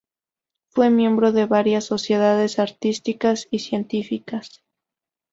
Fue miembro de varias sociedades artísticas y científicas.